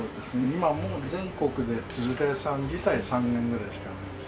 今全国でつづら屋さん自体３軒ぐらいしかないですから。